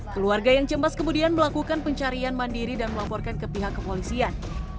keluarga yang cemas kemudian melakukan pencarian mandiri dan melaporkan ke pihak kepolisian